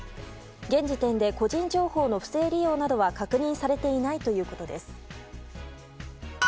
現時点で個人情報の不正利用などは確認されていないということです。